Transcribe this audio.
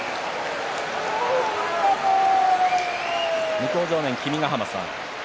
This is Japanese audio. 向正面君ヶ濱さん